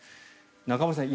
中丸さん